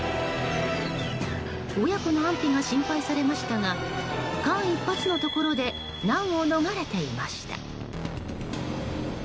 親子の安否が心配されましたが間一髪のところで難を逃れていました。